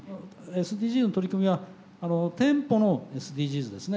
ＳＤＧｓの取り組みは店舗のＳＤＧｓですね